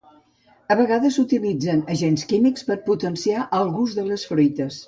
A vegades s’utilitzen agents químics per a potenciar el gust de les fruites.